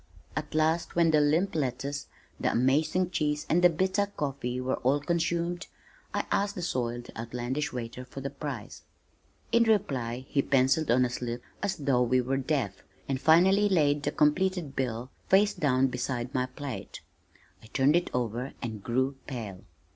At last when the limp lettuce, the amazing cheese and the bitter coffee were all consumed, I asked the soiled, outlandish waiter the price. In reply he pencilled on a slip as though we were deaf, and finally laid the completed bill face down beside my plate. I turned it over and grew pale.